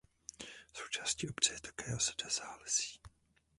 Součástí obce je také osada Zálesí.